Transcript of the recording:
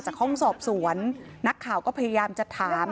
ห้องสอบสวนนักข่าวก็พยายามจะถาม